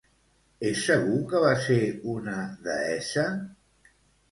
És segur que va ser una deessa?